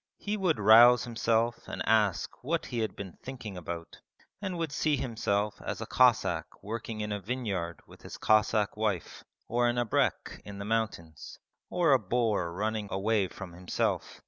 He would rouse himself and ask what he had been thinking about; and would see himself as a Cossack working in a vineyard with his Cossack wife, or an abrek in the mountains, or a boar running away from himself.